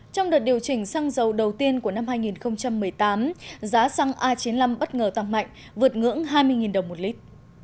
trong đợt điều chỉnh xăng dầu đầu tiên của năm hai nghìn một mươi tám giá xăng a chín mươi năm bất ngờ tăng mạnh vượt ngưỡng hai mươi đồng một lít